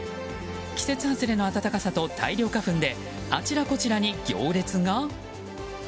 季節外れの暖かさと大量花粉であちらこちらに行列が？